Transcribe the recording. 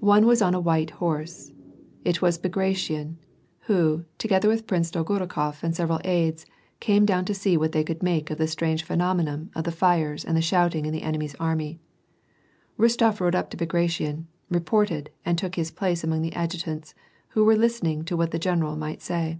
One was on a white horse. It was Bagration, who, together with Prince Dolgorukof and several aides, came down to see what they could make out of the strange phenomenon of the fires and shouting in the enemy's army. Rostof rode up to Bagra tion, reported, and took his place among the adjutants, who were listening to what the generals might say.